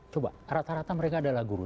coba rata rata mereka adalah guru